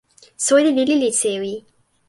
soweli lili li sewi.